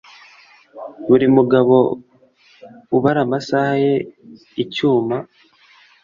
buri mugabo ubara amasaha ye, icyuma